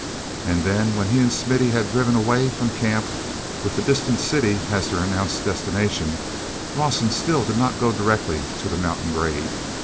And then, when he and Smithy had driven away from camp with the distant city as their announced destination, Rawson still did not go directly to the mountain grade.